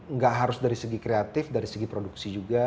nggak harus dari segi kreatif dari segi produksi juga